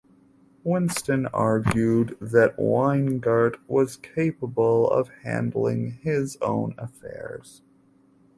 Winston argued that Weingart was capable of handling his own affairs.